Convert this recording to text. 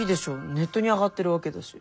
ネットに上がってるわけだし。